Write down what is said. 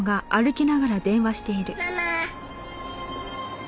「ママ」